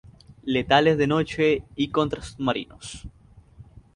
Letales de noche y contra submarinos.